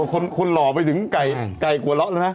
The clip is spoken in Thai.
มันควรหล่อไปถึงไก่ไก่กว่าเรานะ